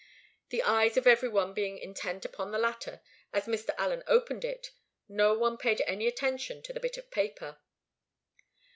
The eyes of every one being intent upon the latter, as Mr. Allen opened it, no one paid any attention to the bit of paper.